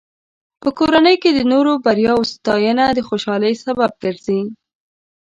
په کورنۍ کې د نورو بریاوو ستاینه د خوشحالۍ سبب ګرځي.